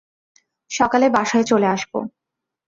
সকালে বাসায় চলে আসবো।